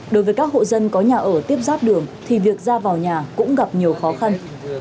đối với các hộ dân có nhà ở tiếp giáp đường thì việc ra vào nhà cũng gặp nhiều khó khăn